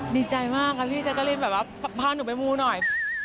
ดีใจมากครับพี่แจ๊กกาลินเหมือนว่าพาหนูไปมุมหน่อย